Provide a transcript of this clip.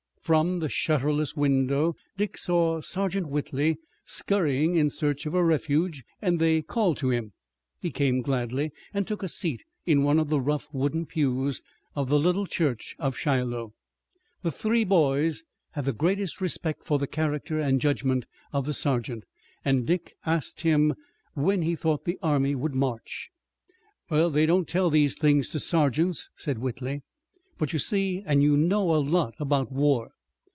From the shutterless window Dick saw Sergeant Whitley scurrying in search of a refuge, and they called to him. He came gladly and took a seat in one of the rough wooden pews of the little church of Shiloh. The three boys had the greatest respect for the character and judgment of the sergeant, and Dick asked him when he thought the army would march. "They don't tell these things to sergeants," said Whitley. "But you see and you know a lot about war."